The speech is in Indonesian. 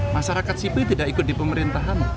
masyarakat sipil tidak ikut di pemerintahan